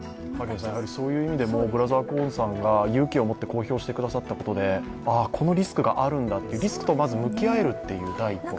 そういう意味でもブラザー・コーンさんが勇気を持って公表してくださったことでこのリスクがあるんだというリスクと向き合えるっていう第一歩が。